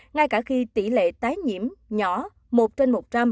ngay cả khi tỷ lệ tái nhiễm nhỏ một trên một trăm linh